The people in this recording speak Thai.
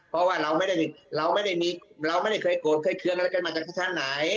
เพราะว่าเราไม่ได้เคยโกรธเครื่องอะไรกันมาจากท่านไหน